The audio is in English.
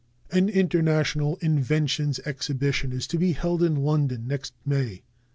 An International Inventions Exhibition is to be held in London next May.